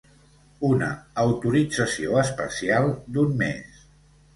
Una autorització especial d’un mes.